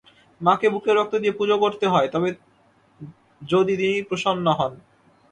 মাকে বুকের রক্ত দিয়ে পুজো করতে হয়, তবে যদি তিনি প্রসন্না হন।